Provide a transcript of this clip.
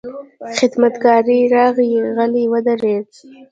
خدمتګار راغی، غلی ودرېد.